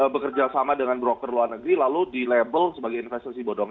bekerja sama dengan broker luar negeri lalu di label sebagai investasi bodong